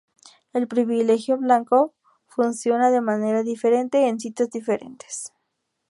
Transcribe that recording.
El privilegio blanco funciona de manera diferente en sitios diferentes.